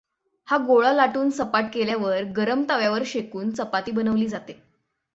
हा गोळा लाटून सपाट केल्यावर गरम तव्यावर शेकून चपाती बनवली जाते.